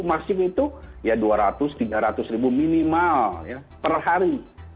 masif itu ya dua ratus tiga ratus ribu minimal per hari